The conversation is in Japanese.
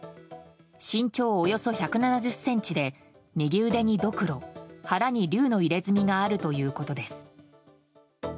身長およそ１７０ｃｍで右腕にどくろ腹に龍の入れ墨があるということです。